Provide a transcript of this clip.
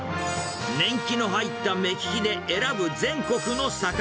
年季の入った目利きで選ぶ全国の魚。